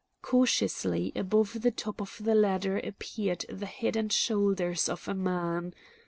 Cautiously above the top of the ladder appeared the head and shoulders of a man.